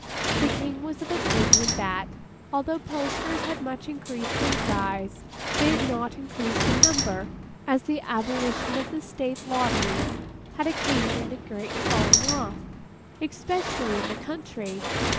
The King was of opinion, that, although posters had much increased in size, they had not increased in number; as the abolition of the State Lotteries had occasioned a great falling off, especially in the country.